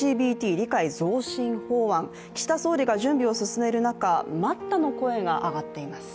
理解増進法案、岸田総理が準備を進める中待ったの声が上がっています。